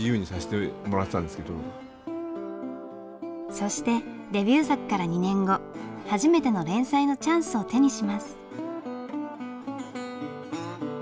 そしてデビュー作から２年後初めての連載のチャンスを手にします。